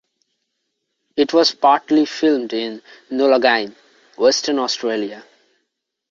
It was partly filmed in Nullagine, Western Australia.